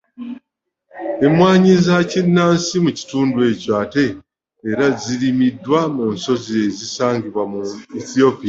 Emmwanyi za kinnansi mu kitundu ekyo ate era zirimiddwa mu nsozi ezisangibwa mu Ethiopia.